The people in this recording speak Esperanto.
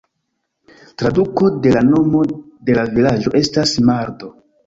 Traduko de la nomo de la vilaĝo estas "Mardo".